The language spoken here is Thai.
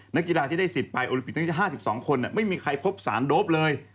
นักกีฬาที่ได้สิทธิ์ไปโอลิปิกทั้ง๕๒คนไม่มีใครพบสารโดปเลย